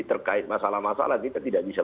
terkait masalah masalah kita tidak bisa